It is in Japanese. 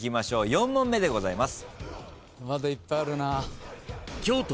４問目でございます。